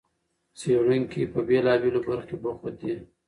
څېړونکي په بېلابېلو برخو کې بوخت دي.